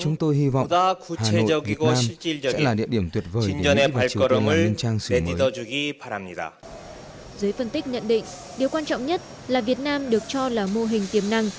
giới phân tích nhận định điều quan trọng nhất là việt nam được cho là mô hình tiềm năng